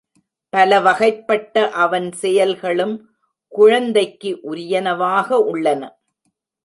பல வகைப்பட்ட அவன் செயல்களும் குழந்தைக்கு உரியனவாக உள்ளன.